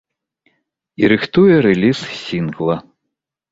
І рыхтуе рэліз сінгла.